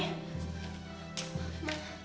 ada apa ini